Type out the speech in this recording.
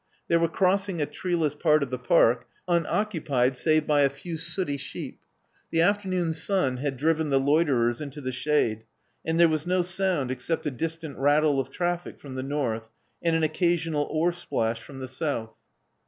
They were crossing a treeless part of the park, unoccupied save by a few sooty sheep. The afternoon sun had driven the loiterers into the shade; and there was no sound except a distant rattle of traffic from the north, and an occasional oarsplash from the south.